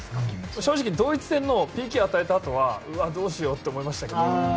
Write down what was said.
正直ドイツ戦のＰＫを与えたあとはどうしようと思いました。